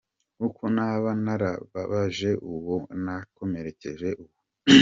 Uko naba narabababaje, uwo nakomerekeje, uwo.